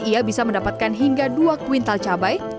ia bisa mendapatkan hingga dua kuintal cabai